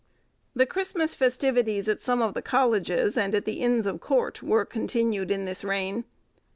The Christmas festivities, at some of the colleges, and at the Inns of Court, were continued in this reign.